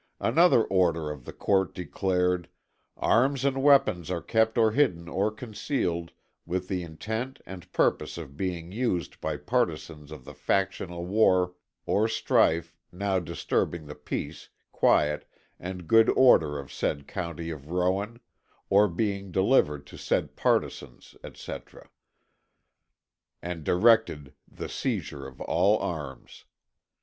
Another order of the court declared "arms and weapons are kept or hidden or concealed, with the intent and purpose of being used by partisans of the factional war or strife now disturbing the peace, quiet and good order of said county of Rowan or being delivered to said partisans" etc., and directed the seizure of all arms.